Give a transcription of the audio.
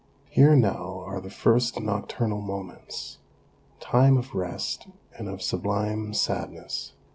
Here now are the first nocturnal moments — time of rest and of sublime sadness.